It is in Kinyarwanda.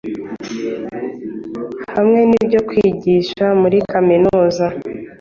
hamwe n’ibyo kwigisha muri Kaminuza